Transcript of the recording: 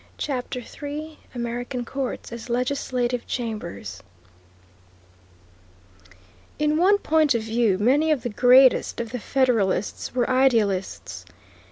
CHAPTER III AMERICAN COURTS AS LEGISLATIVE CHAMBERS In one point of view many of the greatest of the Federalists were idealists.